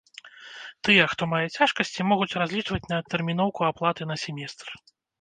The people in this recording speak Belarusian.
Тыя, хто мае цяжкасці, могуць разлічваць на адтэрміноўку аплаты на семестр.